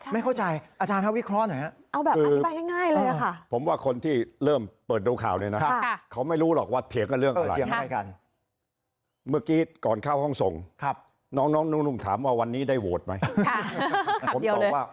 ไม่เข้าใจอาจารย์ให้วิเคราะห์หน่อย